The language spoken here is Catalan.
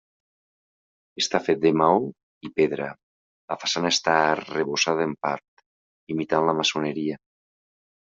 Està fet de maó i pedra; la façana està arrebossada en part, imitant la maçoneria.